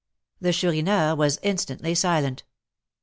The Chourineur was instantly silent.